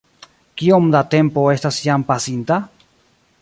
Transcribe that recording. Kiom da tempo estas jam pasinta?